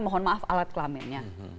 mohon maaf alat kelaminnya